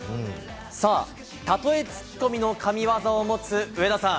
さあ、例えツッコミの神技を持つ上田さん。